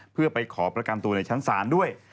เพื่อไปขอประกันตัวในชั้นศาลด้วย